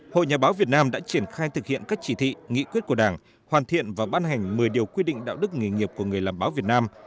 hội nhà báo việt nam đã triển khai thực hiện các chỉ thị nghị quyết của đảng hoàn thiện và ban hành một mươi điều quy định đạo đức nghề nghiệp của người làm báo việt nam